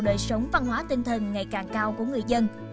đời sống văn hóa tinh thần ngày càng cao của người dân